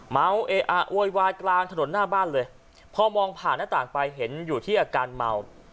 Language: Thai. เมาเออะโวยวายกลางถนนหน้าบ้านเลยพอมองผ่านหน้าต่างไปเห็นอยู่ที่อาการเมา